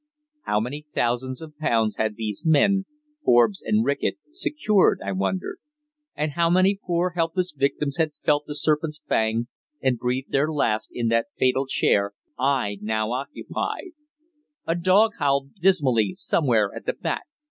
How many thousands of pounds had these men, Forbes and Reckitt, secured, I wondered? And how many poor helpless victims had felt the serpent's fang and breathed their last in that fatal chair I now occupied? A dog howled dismally somewhere at the back.